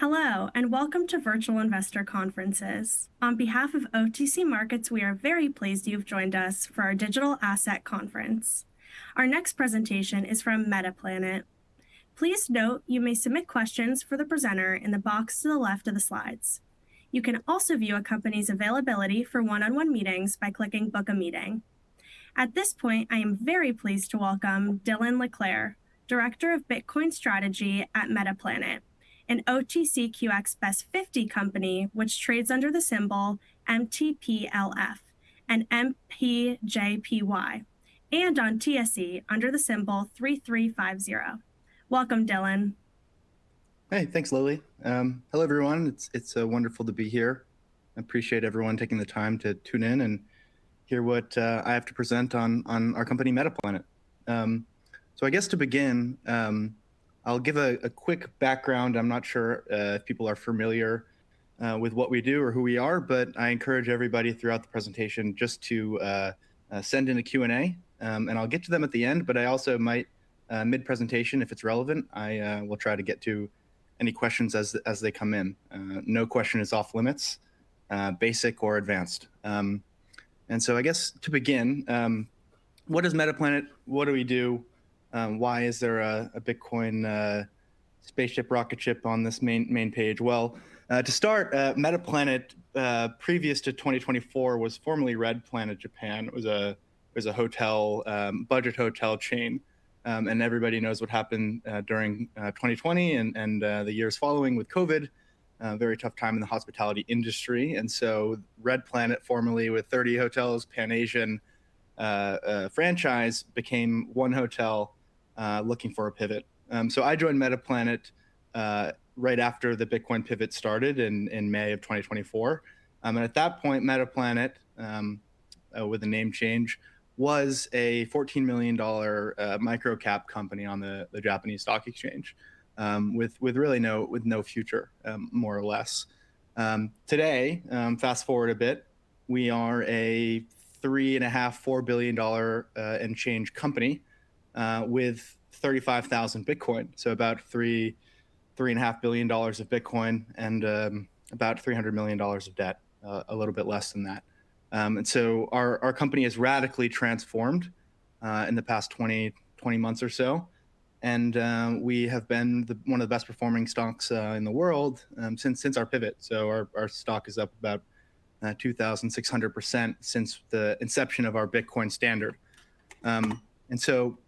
Hello, and welcome to Virtual Investor Conferences. On behalf of OTC Markets, we are very pleased you've joined us for our Digital Asset Conference. Our next presentation is from Metaplanet. Please note you may submit questions for the presenter in the box to the left of the slides. You can also view a company's availability for one-on-one meetings by clicking Book a Meeting. At this point, I am very pleased to welcome Dylan LeClair, Director of Bitcoin Strategy at Metaplanet, an OTCQX Best 50 company, which trades under the symbol MTPLF and MPJPY, and on TSE under the symbol 3350. Welcome, Dylan. Hey, thanks, Lily. Hello, everyone. It's wonderful to be here. I appreciate everyone taking the time to tune in and hear what I have to present on our company, Metaplanet. So I guess to begin, I'll give a quick background. I'm not sure if people are familiar with what we do or who we are, but I encourage everybody throughout the presentation just to send in a Q&A, and I'll get to them at the end. But I also might mid-presentation, if it's relevant, I will try to get to any questions as they come in. No question is off-limits, basic or advanced. And so I guess to begin, what is Metaplanet? What do we do? Why is there a Bitcoin spaceship, rocket ship on this main page? Well, to start, Metaplanet, previous to 2024, was formerly Red Planet Japan. It was a budget hotel chain, and everybody knows what happened during 2020 and the years following with COVID. Very tough time in the hospitality industry, and so Red Planet, formerly with 30 hotels, Pan-Asian franchise, became one hotel looking for a pivot. So I joined Metaplanet right after the Bitcoin pivot started in May of 2024. And at that point, Metaplanet, with a name change, was a $14 million micro-cap company on the Japanese Stock Exchange, with no future, more or less. Today, fast-forward a bit, we are a $3.5-$4 billion and change company with 35,000 Bitcoin, so about $3-$3.5 billion of Bitcoin and about $300 million of debt, a little bit less than that. Our company has radically transformed in the past 20-20 months or so, and we have been one of the best-performing stocks in the world since our pivot. Our stock is up about 2,600% since the inception of our Bitcoin Standard. So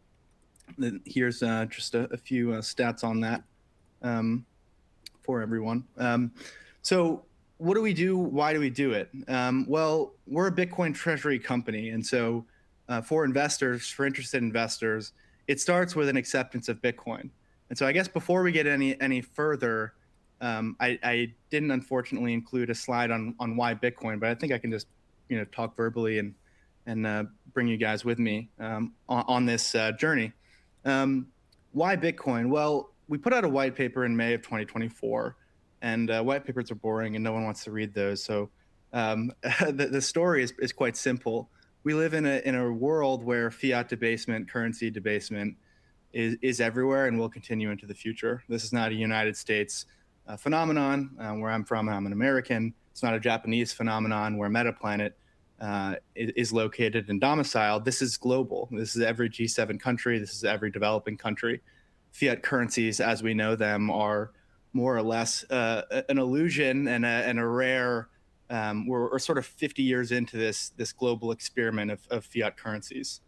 then here's just a few stats on that for everyone. So what do we do? Why do we do it? Well, we're a Bitcoin treasury company, and so, for investors, for interested investors, it starts with an acceptance of Bitcoin. And so I guess before we get any further, I didn't unfortunately include a slide on why Bitcoin, but I think I can just, you know, talk verbally and bring you guys with me on this journey. Why Bitcoin? Well, we put out a white paper in May of 2024, and white papers are boring, and no one wants to read those. So, the story is quite simple. We live in a world where fiat debasement, currency debasement is everywhere and will continue into the future. This is not a United States phenomenon, where I'm from, I'm an American. It's not a Japanese phenomenon, where Metaplanet is located and domiciled. This is global. This is every G7 country. This is every developing country. Fiat currencies, as we know them, are more or less an illusion and a rare. We're sort of 50 years into this global experiment of fiat currencies.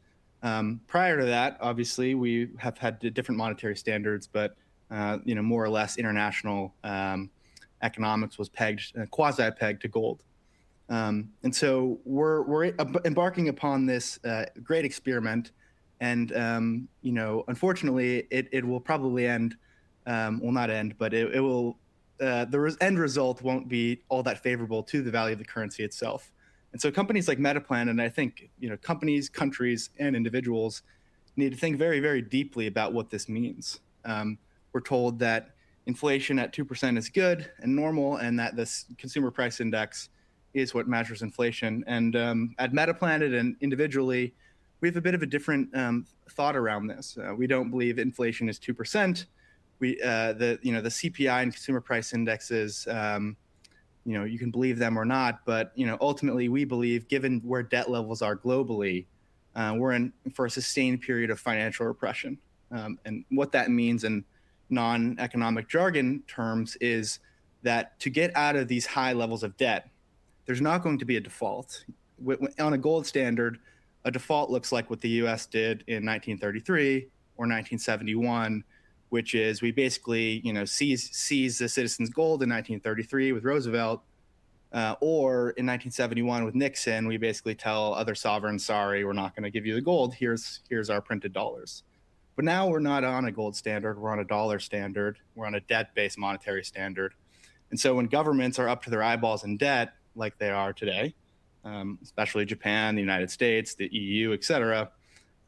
Prior to that, obviously, we have had different monetary standards, but, you know, more or less international economics was pegged, quasi-pegged to gold. And so we're embarking upon this great experiment, and, you know, unfortunately, it will probably end, well, not end, but it will, the end result won't be all that favorable to the value of the currency itself. And so companies like Metaplanet, and I think, you know, companies, countries, and individuals need to think very, very deeply about what this means. We're told that inflation at 2% is good and normal, and that this consumer price index is what measures inflation. And at Metaplanet and individually, we have a bit of a different thought around this. We don't believe inflation is 2%. We, the, you know, the CPI and consumer price indexes, you know, you can believe them or not, but, you know, ultimately, we believe, given where debt levels are globally, we're in for a sustained period of financial repression. And what that means in non-economic jargon terms is that to get out of these high levels of debt, there's not going to be a default. on a gold standard, a default looks like what the U.S. did in 1933 or 1971, which is we basically, you know, seized the citizens' gold in 1933 with Roosevelt, or in 1971 with Nixon, we basically tell other sovereigns, "Sorry, we're not gonna give you the gold. Here's our printed dollars." But now we're not on a gold standard, we're on a dollar standard. We're on a debt-based monetary standard. And so when governments are up to their eyeballs in debt like they are today, especially Japan, the United States, the EU, et cetera,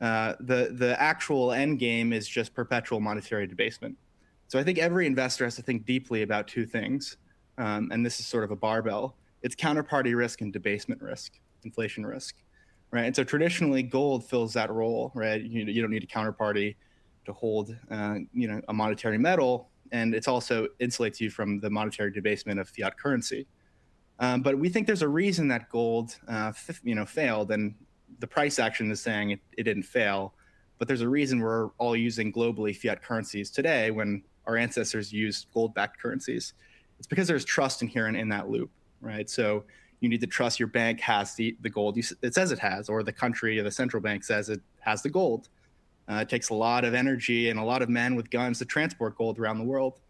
the actual end game is just perpetual monetary debasement. So I think every investor has to think deeply about two things... and this is sort of a barbell. It's counterparty risk and debasement risk, inflation risk, right? And so traditionally, gold fills that role, right? You don't need a counterparty to hold, you know, a monetary metal, and it's also insulates you from the monetary debasement of fiat currency. But we think there's a reason that gold, you know, failed, and the price action is saying it didn't fail. But there's a reason we're all using globally fiat currencies today when our ancestors used gold-backed currencies. It's because there's trust inherent in that loop, right? So you need to trust your bank has the gold it says it has, or the country, or the central bank says it has the gold. It takes a lot of energy and a lot of men with guns to transport gold around the world.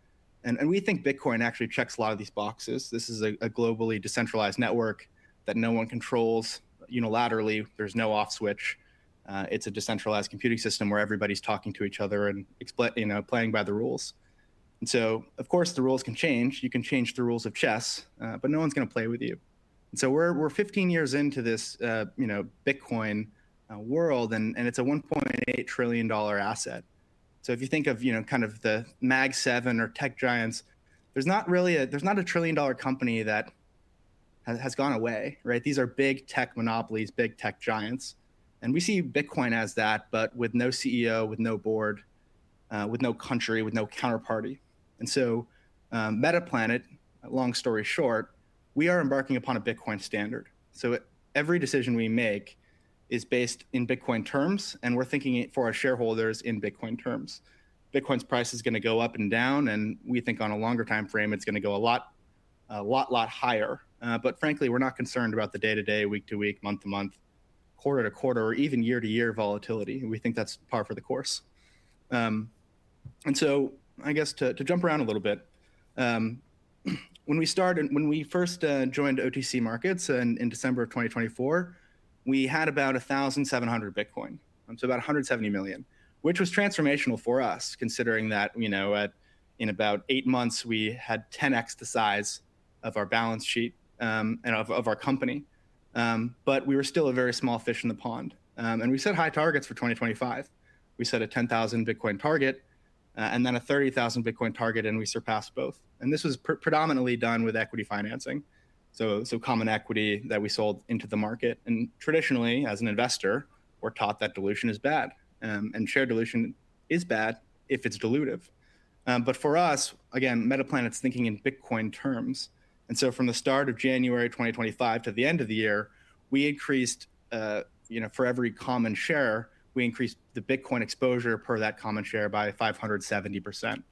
And we think Bitcoin actually checks a lot of these boxes. This is a globally decentralized network that no one controls unilaterally. There's no off switch. It's a decentralized computing system where everybody's talking to each other and you know, playing by the rules. And so, of course, the rules can change. You can change the rules of chess, but no one's gonna play with you. So we're 15 years into this, you know, Bitcoin world, and it's a $1.8 trillion asset. So if you think of, you know, kind of the Mag 7 or tech giants, there's not really a trillion-dollar company that has gone away, right? These are big tech monopolies, big tech giants, and we see Bitcoin as that, but with no CEO, with no board, with no country, with no counterparty. Metaplanet, long story short, we are embarking upon a Bitcoin Standard. Every decision we make is based in Bitcoin terms, and we're thinking it for our shareholders in Bitcoin terms. Bitcoin's price is gonna go up and down, and we think on a longer time frame, it's gonna go a lot, a lot, lot higher. But frankly, we're not concerned about the day-to-day, week-to-week, month-to-month, quarter-to-quarter, or even year-to-year volatility. We think that's par for the course. And so I guess to jump around a little bit, when we first joined OTC Markets in December 2024, we had about 1,700 Bitcoin, so about $170 million, which was transformational for us, considering that, you know, in about 8 months, we had 10x the size of our balance sheet and of our company. But we were still a very small fish in the pond, and we set high targets for 2025. We set a 10,000 Bitcoin target and then a 30,000 Bitcoin target, and we surpassed both. And this was predominantly done with equity financing, so common equity that we sold into the market. Traditionally, as an investor, we're taught that dilution is bad, and share dilution is bad if it's dilutive. But for us, again, Metaplanet's thinking in Bitcoin terms, and so from the start of January 2025 to the end of the year, we increased, you know, for every common share, we increased the Bitcoin exposure per that common share by 570%.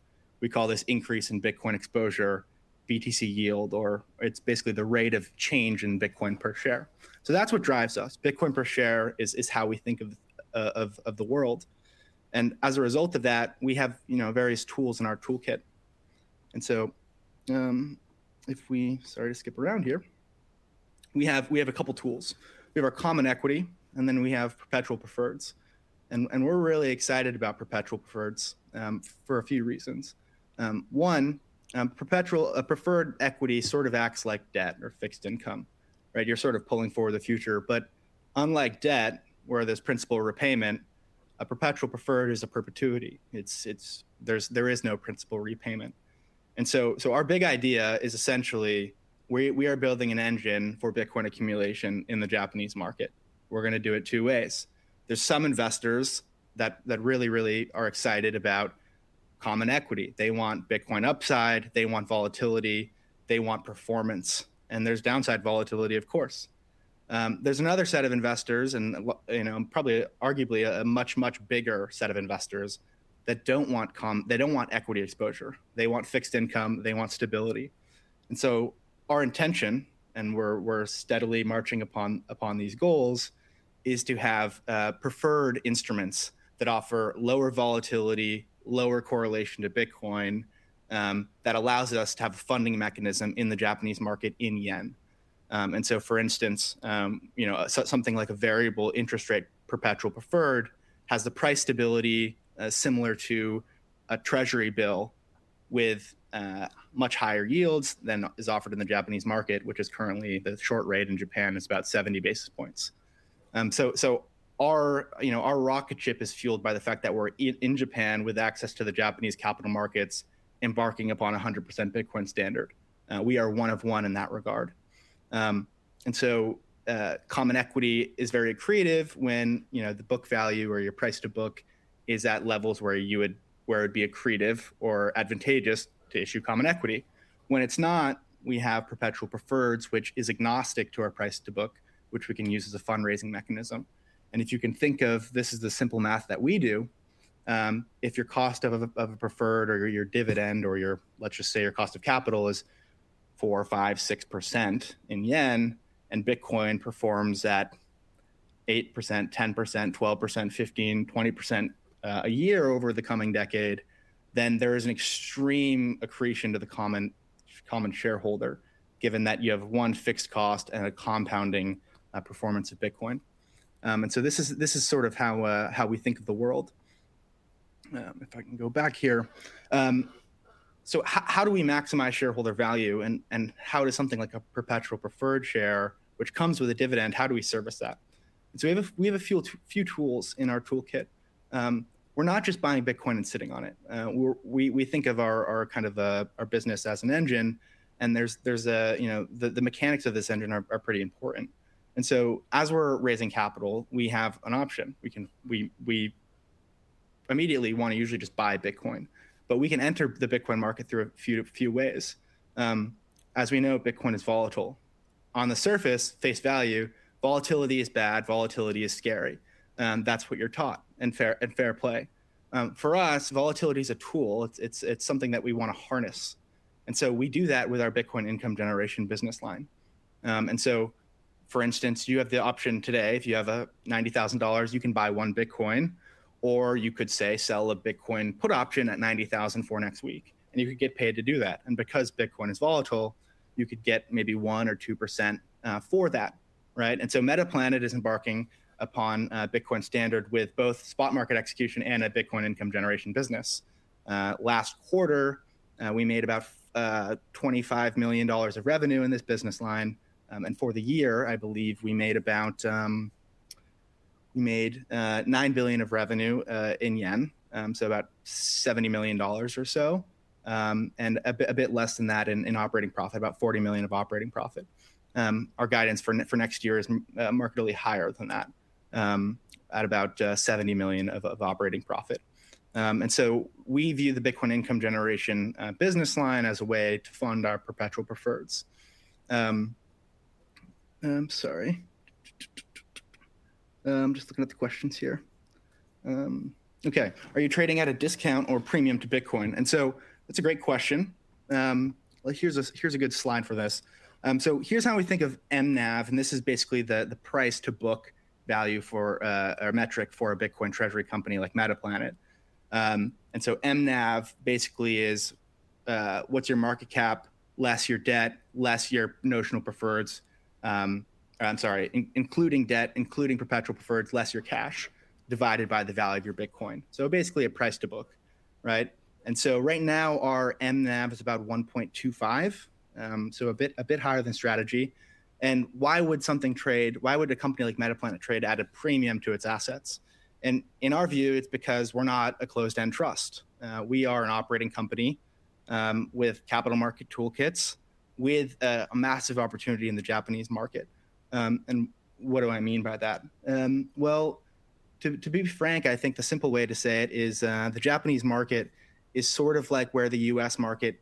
We call this increase in Bitcoin exposure BTC Yield, or it's basically the rate of change in Bitcoin per share. So that's what drives us. Bitcoin per share is how we think of the world, and as a result of that, we have, you know, various tools in our toolkit. And so, if we... sorry to skip around here, we have a couple tools. We have our common equity, and then we have perpetual preferreds, and we're really excited about perpetual preferreds for a few reasons. One, perpetual preferred equity sort of acts like debt or fixed income, right? You're sort of pulling forward the future. But unlike debt, where there's principal repayment, a perpetual preferred is a perpetuity. It's a perpetuity. There's no principal repayment. So our big idea is essentially we are building an engine for Bitcoin accumulation in the Japanese market. We're gonna do it two ways. There's some investors that really, really are excited about common equity. They want Bitcoin upside, they want volatility, they want performance, and there's downside volatility, of course. There's another set of investors, and you know, probably arguably a much, much bigger set of investors that don't want. They don't want equity exposure. They want fixed income, they want stability. And so our intention, and we're, we're steadily marching upon, upon these goals, is to have preferred instruments that offer lower volatility, lower correlation to Bitcoin, that allows us to have a funding mechanism in the Japanese market in yen. And so for instance, you know, so something like a variable interest rate, perpetual preferred, has the price stability, similar to a treasury bill with much higher yields than is offered in the Japanese market, which is currently the short rate in Japan is about 70 basis points. So our, you know, our rocket ship is fueled by the fact that we're in, in Japan with access to the Japanese capital markets, embarking upon a 100% Bitcoin Standard. We are one of one in that regard. So, common equity is very accretive when, you know, the book value or your price-to-book is at levels where it'd be accretive or advantageous to issue common equity. When it's not, we have perpetual preferreds, which is agnostic to our price-to-book, which we can use as a fundraising mechanism. And if you can think of, this is the simple math that we do. If your cost of a preferred, or your dividend, or your, let's just say, your cost of capital is 4, 5, 6% in yen, and Bitcoin performs at 8%, 10%, 12%, 15, 20% a year over the coming decade, then there is an extreme accretion to the common shareholder, given that you have one fixed cost and a compounding performance of Bitcoin. And so this is, this is sort of how, how we think of the world. If I can go back here. So how, how do we maximize shareholder value? And, and how does something like a perpetual preferred share, which comes with a dividend, how do we service that? So we have a few tools in our toolkit. We're not just buying Bitcoin and sitting on it. We're, we think of our, our kind of, our business as an engine, and there's, you know, the mechanics of this engine are pretty important. And so, as we're raising capital, we have an option. We can, we immediately wanna usually just buy Bitcoin, but we can enter the Bitcoin market through a few ways. As we know, Bitcoin is volatile. On the surface, face value, volatility is bad, volatility is scary, and that's what you're taught, and fair, and fair play. For us, volatility is a tool. It's something that we wanna harness, and so we do that with our Bitcoin income generation business line. And so, for instance, you have the option today, if you have $90,000, you can buy one Bitcoin, or you could, say, sell a Bitcoin put option at $90,000 for next week, and you could get paid to do that. And because Bitcoin is volatile, you could get maybe 1% or 2%, for that, right? And so Metaplanet is embarking upon Bitcoin Standard with both spot market execution and a Bitcoin income generation business. Last quarter, we made about $25 million of revenue in this business line. And for the year, I believe we made about, we made, 9 billion of revenue, in yen, so about $70 million or so, and a bit less than that in operating profit, about $40 million of operating profit. Our guidance for next year is markedly higher than that, at about $70 million of operating profit. And so we view the Bitcoin income generation business line as a way to fund our perpetual preferreds. Sorry. Just looking at the questions here. Okay. Are you trading at a discount or premium to Bitcoin? And so it's a great question. Well, here's a good slide for this. So here's how we think of MNAV, and this is basically the price-to-book value for a metric for a Bitcoin treasury company like Metaplanet. And so MNAV basically is what's your market cap, less your debt, less your notional preferreds... I'm sorry, including debt, including perpetual preferreds, less your cash, divided by the value of your Bitcoin. So basically, a price-to-book, right? And so right now, our MNAV is about 1.25, so a bit higher than MicroStrategy. And why would something trade—why would a company like Metaplanet trade at a premium to its assets? And in our view, it's because we're not a closed-end trust. We are an operating company with capital market toolkits, with a massive opportunity in the Japanese market. What do I mean by that? Well, to be frank, I think the simple way to say it is, the Japanese market is sort of like where the U.S. market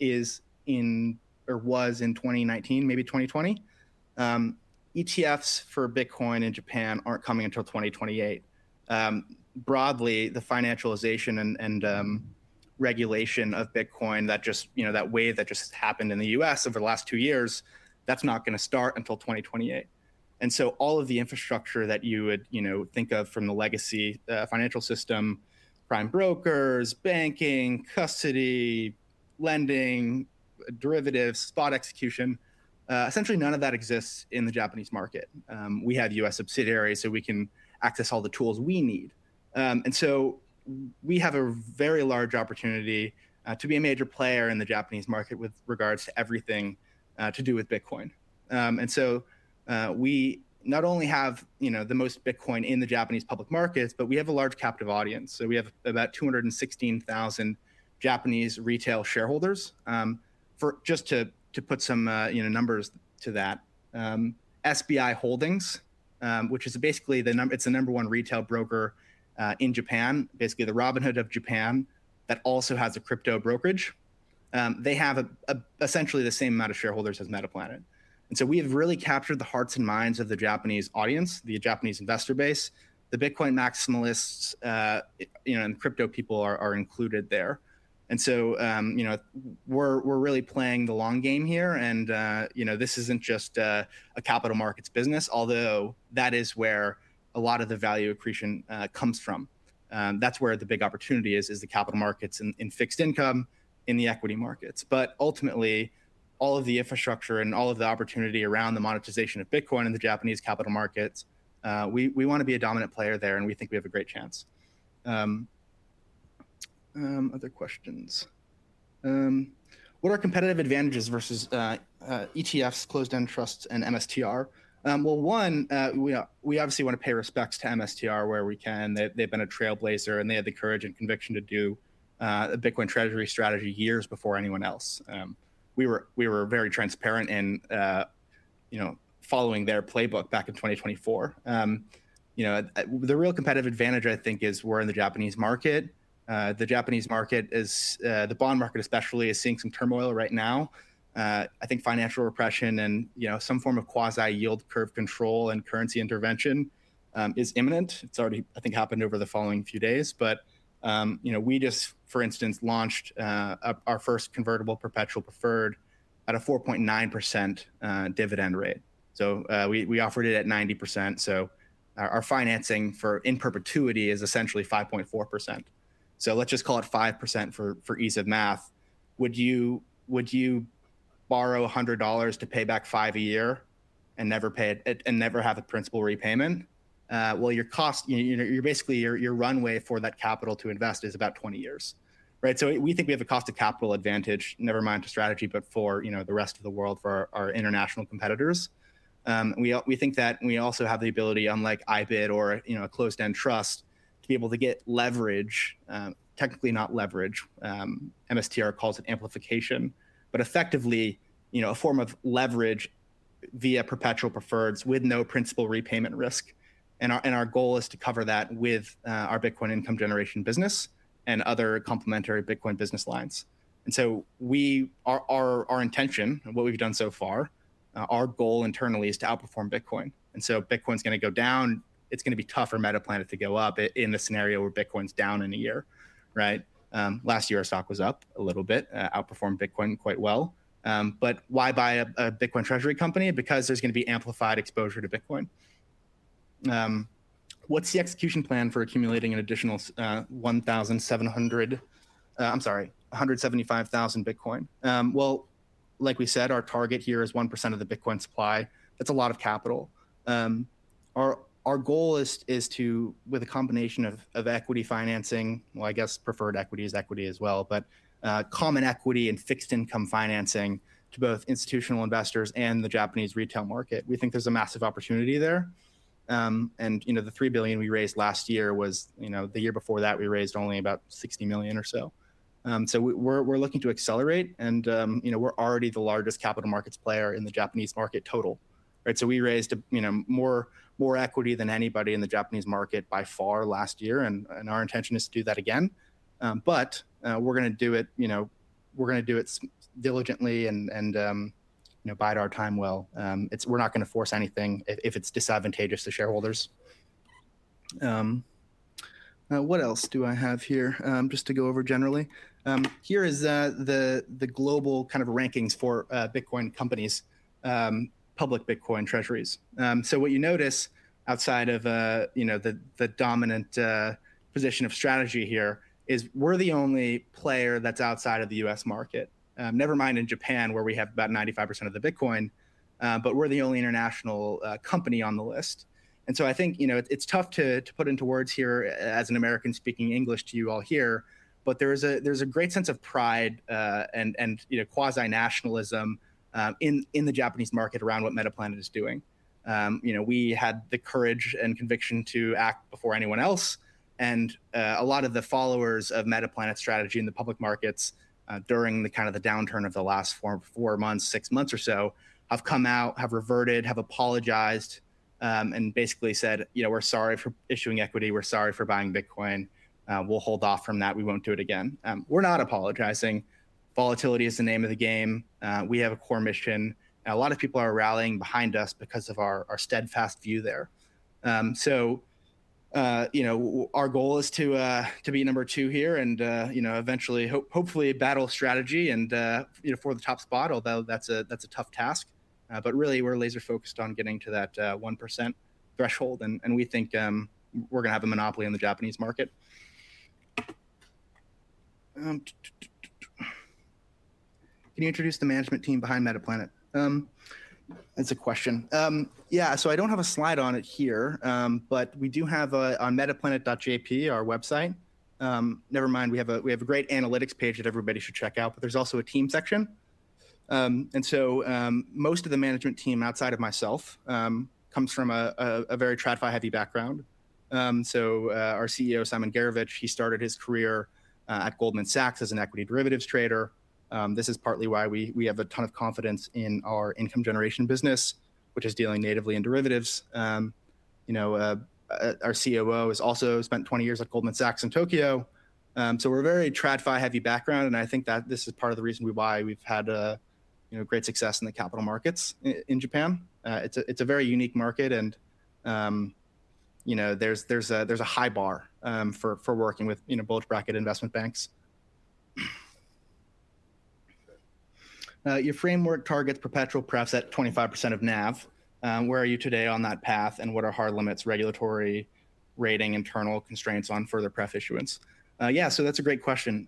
is in or was in 2019, maybe 2020. ETFs for Bitcoin in Japan aren't coming until 2028. Broadly, the financialization and regulation of Bitcoin, that just, you know, that wave that just happened in the U.S. over the last two years, that's not gonna start until 2028. And so all of the infrastructure that you would, you know, think of from the legacy financial system, prime brokers, banking, custody, lending, derivatives, spot execution, essentially none of that exists in the Japanese market. We have U.S. subsidiaries, so we can access all the tools we need. And so we have a very large opportunity to be a major player in the Japanese market with regards to everything to do with Bitcoin. And so we not only have, you know, the most Bitcoin in the Japanese public markets, but we have a large captive audience, so we have about 216,000 Japanese retail shareholders. Just to put some, you know, numbers to that, SBI Holdings, which is basically the number one retail broker in Japan, basically the Robinhood of Japan, that also has a crypto brokerage. They have essentially the same amount of shareholders as Metaplanet. We have really captured the hearts and minds of the Japanese audience, the Japanese investor base, the Bitcoin maximalists, you know, and crypto people are included there. So, you know, we're really playing the long game here, and, you know, this isn't just a capital markets business, although that is where a lot of the value accretion comes from. That's where the big opportunity is, the capital markets in fixed income, in the equity markets. But ultimately, all of the infrastructure and all of the opportunity around the monetization of Bitcoin in the Japanese capital markets, we wanna be a dominant player there, and we think we have a great chance. Other questions. What are competitive advantages versus ETFs, closed-end trusts, and MSTR? Well, we obviously wanna pay respects to MSTR where we can. They've been a trailblazer, and they had the courage and conviction to do a Bitcoin treasury strategy years before anyone else. We were very transparent in, you know, following their playbook back in 2024. You know, the real competitive advantage, I think, is we're in the Japanese market. The Japanese market is, the bond market especially, is seeing some turmoil right now. I think financial repression and, you know, some form of quasi yield curve control and currency intervention is imminent. It's already, I think, happened over the following few days, but, you know, we just, for instance, launched our first convertible perpetual preferred at a 4.9% dividend rate. So, we offered it at 90%, so our financing for in perpetuity is essentially 5.4%. So let's just call it 5% for ease of math. Would you borrow $100 to pay back $5 a year and never pay it, and never have a principal repayment? Well, your cost, you know, you're basically your runway for that capital to invest is about 20 years, right? So we think we have a cost of capital advantage, never mind to strategy, but for, you know, the rest of the world, for our international competitors. We think that we also have the ability, unlike IBIT or, you know, a closed-end trust, to be able to get leverage, technically, not leverage, MSTR calls it amplification, but effectively, you know, a form of leverage via perpetual preferreds with no principal repayment risk. And our intention and what we've done so far, our goal internally is to outperform Bitcoin. And so if Bitcoin's gonna go down, it's gonna be tough for Metaplanet to go up in the scenario where Bitcoin's down in a year, right? Last year, our stock was up a little bit, outperformed Bitcoin quite well. But why buy a Bitcoin treasury company? Because there's gonna be amplified exposure to Bitcoin. What's the execution plan for accumulating an additional 175,000 Bitcoin? Well, like we said, our target here is 1% of the Bitcoin supply. That's a lot of capital. Our goal is to, with a combination of equity financing, well, I guess preferred equity is equity as well, but common equity and fixed income financing to both institutional investors and the Japanese retail market. We think there's a massive opportunity there. And, you know, the 3 billion we raised last year was, you know, the year before that, we raised only about 60 million or so. So we're looking to accelerate, and, you know, we're already the largest capital markets player in the Japanese market total, right? So we raised, you know, more equity than anybody in the Japanese market by far last year, and our intention is to do that again. But we're gonna do it, you know, we're gonna do it diligently and, you know, bide our time well. It's, we're not gonna force anything if it's disadvantageous to shareholders. What else do I have here? Just to go over generally. Here is the global kind of rankings for Bitcoin companies, public Bitcoin treasuries. So what you notice, outside of, you know, the dominant position of strategy here, is we're the only player that's outside of the U.S. market. Never mind in Japan, where we have about 95% of the Bitcoin, but we're the only international company on the list. And so I think, you know, it's tough to put into words here as an American speaking English to you all here, but there is a, there's a great sense of pride, and, you know, quasi-nationalism in the Japanese market around what Metaplanet is doing. You know, we had the courage and conviction to act before anyone else, and a lot of the followers of Metaplanet's strategy in the public markets during the kind of the downturn of the last 4 months, 6 months or so, have come out, have reverted, have apologized, and basically said, "You know, we're sorry for issuing equity. We're sorry for buying Bitcoin. We'll hold off from that. We won't do it again." We're not apologizing. Volatility is the name of the game. We have a core mission. A lot of people are rallying behind us because of our, our steadfast view there. So, you know, our goal is to be number two here and, you know, eventually, hopefully, MicroStrategy and, you know, for the top spot, although that's a tough task. But really, we're laser focused on getting to that 1% threshold, and we think we're gonna have a monopoly on the Japanese market. Can you introduce the management team behind Metaplanet? That's a question. Yeah, so I don't have a slide on it here, but we do have a, on metaplanet.jp, our website. Never mind, we have a great analytics page that everybody should check out, but there's also a team section. Most of the management team outside of myself comes from a very TradFi-heavy background. So, our CEO, Simon Gerovich, he started his career at Goldman Sachs as an equity derivatives trader. This is partly why we have a ton of confidence in our income generation business, which is dealing natively in derivatives. You know, our COO has also spent 20 years at Goldman Sachs in Tokyo. So we're a very TradFi-heavy background, and I think that this is part of the reason why we've had a, you know, great success in the capital markets in Japan. It's a very unique market, and, you know, there's a high bar for working with, you know, bulge bracket investment banks. Your framework targets perpetual prefs at 25% of NAV. Where are you today on that path, and what are hard limits, regulatory, rating, internal constraints on further pref issuance? Yeah, so that's a great question.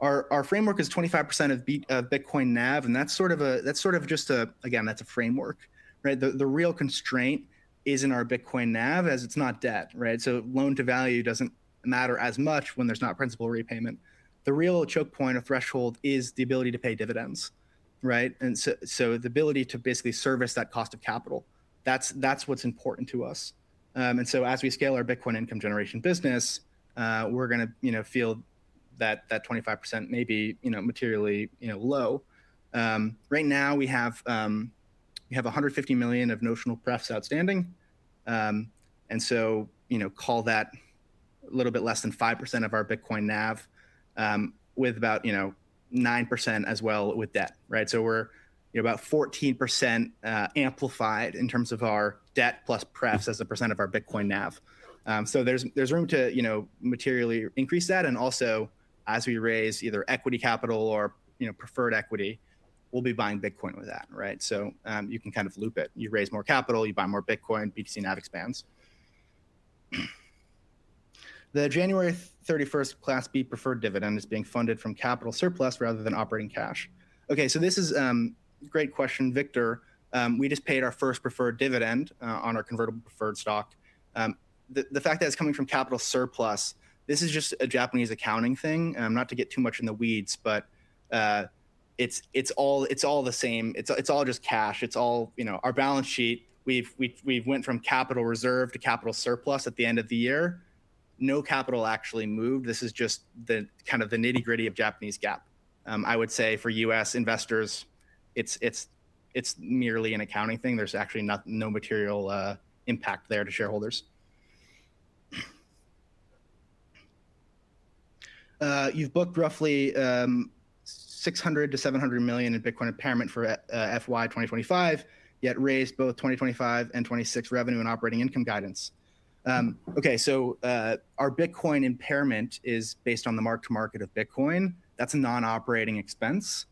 Our framework is 25% of Bitcoin NAV, and that's sort of a, that's sort of just a... Again, that's a framework, right? The real constraint is in our Bitcoin NAV, as it's not debt, right? So loan-to-value doesn't matter as much when there's not principal repayment. The real choke point or threshold is the ability to pay dividends, right? So the ability to basically service that cost of capital, that's what's important to us. And so as we scale our Bitcoin income generation business, we're gonna, you know, feel that 25% may be, you know, materially low. Right now, we have 150 million of notional prefs outstanding. And so, you know, call that a little bit less than 5% of our Bitcoin NAV, with about, you know, 9% as well with debt, right? So we're, you know, about 14% amplified in terms of our debt plus prefs as a percent of our Bitcoin NAV. So there's room to, you know, materially increase that, and also, as we raise either equity capital or, you know, preferred equity, we'll be buying Bitcoin with that, right? So, you can kind of loop it. You raise more capital, you buy more Bitcoin, BTC NAV expands. The January 31st Class B preferred dividend is being funded from capital surplus rather than operating cash. Okay, so this is, great question, Victor. We just paid our first preferred dividend, on our convertible preferred stock. The fact that it's coming from capital surplus, this is just a Japanese accounting thing, not to get too much in the weeds, but, it's all the same. It's all just cash, it's all—you know, our balance sheet, we've went from capital reserve to capital surplus at the end of the year. No capital actually moved. This is just the nitty-gritty of Japanese GAAP. I would say for U.S. investors, it's merely an accounting thing. There's actually no material impact there to shareholders. You've booked roughly 600 million-700 million in Bitcoin impairment for FY 2025, yet raised both 2025 and 2026 revenue and operating income guidance. Okay, so our Bitcoin impairment is based on the mark-to-market of Bitcoin. That's a non-operating expense.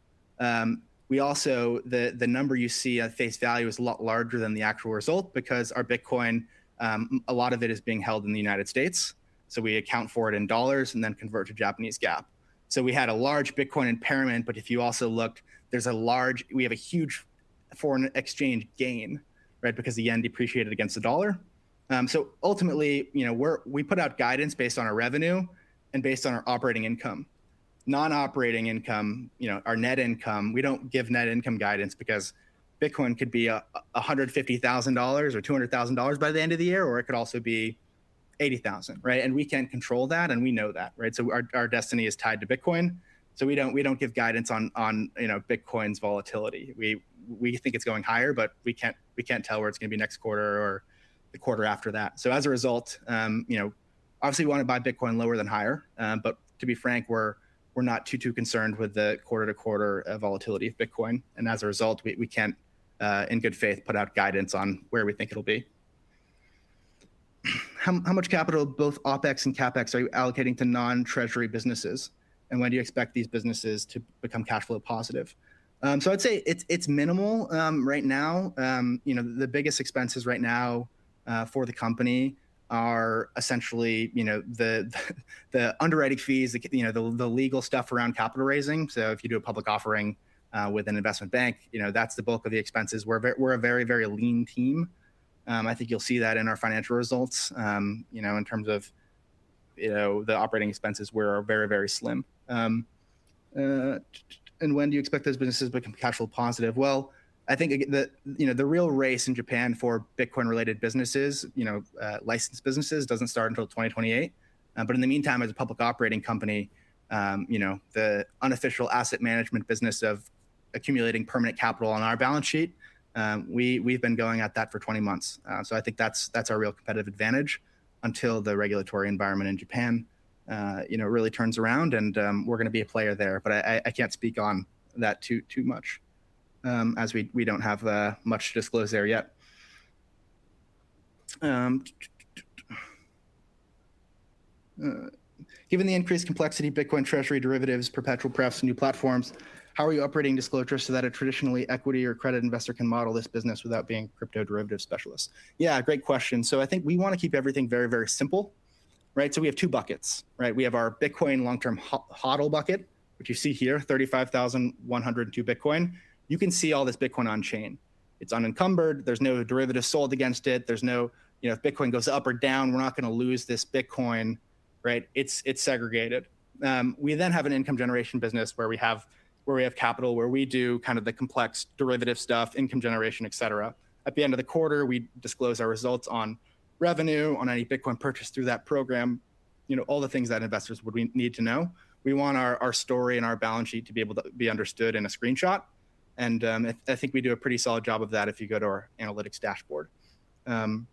We also, the number you see at face value is a lot larger than the actual result because our Bitcoin, a lot of it is being held in the United States, so we account for it in dollars and then convert to Japanese GAAP. So we had a large Bitcoin impairment, but if you also look, there's a large, we have a huge foreign exchange gain, right? Because the yen depreciated against the dollar. So ultimately, you know, we put out guidance based on our revenue and based on our operating income. Non-operating income, you know, our net income, we don't give net income guidance because Bitcoin could be a $150,000 or $200,000 by the end of the year, or it could also be $80,000, right? And we can't control that, and we know that, right? So our destiny is tied to Bitcoin, so we don't give guidance on, you know, Bitcoin's volatility. We think it's going higher, but we can't tell where it's gonna be next quarter or the quarter after that. So as a result, you know, obviously, we wanna buy Bitcoin lower than higher, but to be frank, we're not too concerned with the quarter-to-quarter volatility of Bitcoin, and as a result, we can't in good faith put out guidance on where we think it'll be. How much capital, both OpEx and CapEx, are you allocating to non-Treasury businesses, and when do you expect these businesses to become cash flow positive? So I'd say it's minimal right now. You know, the biggest expenses right now for the company are essentially, you know, the underwriting fees, the legal stuff around capital raising. So if you do a public offering with an investment bank, you know, that's the bulk of the expenses. We're a very, very lean team. I think you'll see that in our financial results, you know, in terms of, you know, the operating expenses, we're very, very slim. And when do you expect those businesses to become cash flow positive? Well, I think, you know, the real race in Japan for Bitcoin-related businesses, you know, licensed businesses, doesn't start until 2028. But in the meantime, as a public operating company, you know, the unofficial asset management business of accumulating permanent capital on our balance sheet, we've been going at that for 20 months. So I think that's our real competitive advantage until the regulatory environment in Japan, you know, really turns around and we're gonna be a player there, but I can't speak on that too much, as we don't have much to disclose there yet. Given the increased complexity, Bitcoin Treasury derivatives, perpetual prefs, and new platforms, how are you operating disclosures so that a traditionally equity or credit investor can model this business without being crypto derivative specialists? Yeah, great question. So I think we wanna keep everything very, very simple, right? So we have two buckets, right? We have our Bitcoin long-term HODL bucket, which you see here, 35,102 Bitcoin. You can see all this Bitcoin on chain. It's unencumbered, there's no derivative sold against it. There's you know, if Bitcoin goes up or down, we're not gonna lose this Bitcoin, right? It's, it's segregated. We then have an income generation business where we have, where we have capital, where we do kind of the complex derivative stuff, income generation, et cetera. At the end of the quarter, we disclose our results on revenue, on any Bitcoin purchase through that program, you know, all the things that investors would need to know. We want our, our story and our balance sheet to be able to be understood in a screenshot, and, I, I think we do a pretty solid job of that if you go to our analytics dashboard. And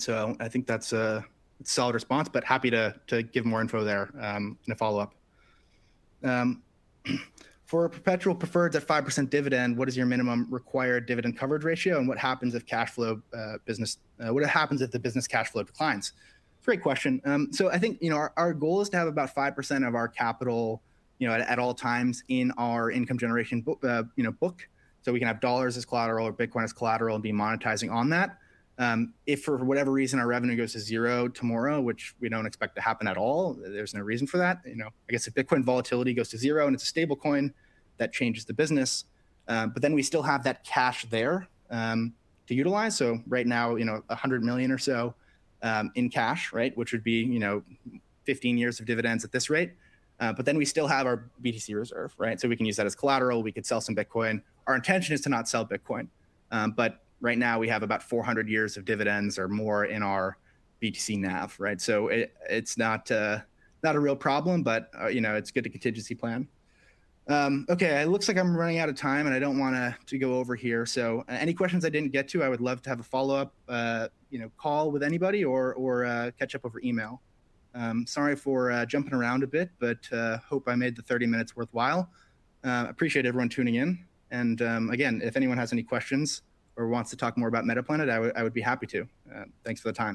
so I, I think that's a solid response, but happy to, to give more info there, in a follow-up. For a perpetual preferred at 5% dividend, what is your minimum required dividend coverage ratio, and what happens if the business cash flow declines? Great question. So I think, you know, our goal is to have about 5% of our capital, you know, at all times in our income generation book, you know, book. So we can have dollars as collateral or Bitcoin as collateral and be monetizing on that. If for whatever reason, our revenue goes to zero tomorrow, which we don't expect to happen at all, there's no reason for that. You know, I guess if Bitcoin volatility goes to zero, and it's a stablecoin, that changes the business, but then we still have that cash there to utilize. So right now, you know, 100 million or so in cash, right? Which would be, you know, 15 years of dividends at this rate. But then we still have our BTC reserve, right? So we can use that as collateral. We could sell some Bitcoin. Our intention is to not sell Bitcoin, but right now we have about 400 years of dividends or more in our BTC NAV, right? So it, it's not not a real problem, but, you know, it's good to contingency plan. Okay, it looks like I'm running out of time, and I don't wanna to go over here. So, any questions I didn't get to, I would love to have a follow-up, you know, call with anybody or, or catch up over email. Sorry for jumping around a bit, but hope I made the 30 minutes worthwhile. Appreciate everyone tuning in, and again, if anyone has any questions or wants to talk more about Metaplanet, I would be happy to. Thanks for the time.